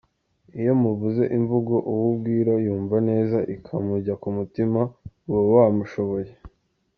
Iyo muvuze imvugo uwo ubwira yumva neza ikamujya ku mutima uba wamushoboye .